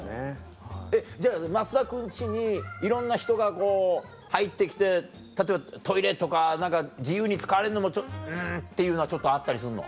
えっじゃあ増田君家にいろんな人がこう入って来て例えばトイレとか自由に使われるのもうんっていうのはちょっとあったりするの？